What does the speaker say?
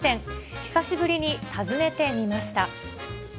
久しぶりに訪ねてみました。